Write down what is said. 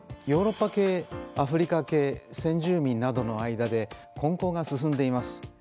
ヨーロッパ系アフリカ系先住民などの間で混交が進んでいます。